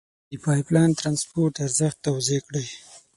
د پایپ لین د ترانسپورت ارزښت توضیع کړئ.